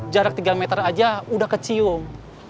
jarak tiga meter aja udah kecium